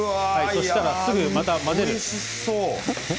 そうしたらすぐに混ぜる。